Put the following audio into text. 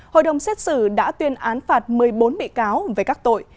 hội đồng xét xử đã tuyên án phạt một mươi bốn bị cáo về các tội